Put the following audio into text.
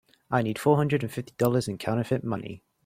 I need four hundred and fifty dollars in counterfeit money.